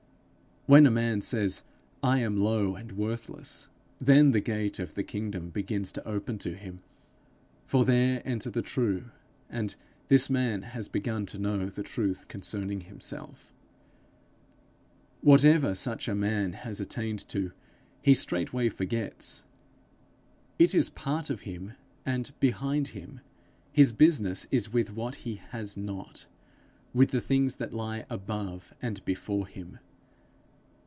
When a man says, I am low and worthless, then the gate of the kingdom begins to open to him, for there enter the true, and this man has begun to know the truth concerning himself. Whatever such a man has attained to, he straightway forgets; it is part of him and behind him; his business is with what he has not, with the things that lie above and before him.